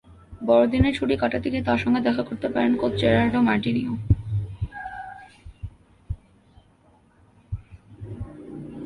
বড়দিনের ছুটি কাটাতে গিয়ে তাঁর সঙ্গে দেখা করতে পারেন কোচ জেরার্ডো মার্টিনোও।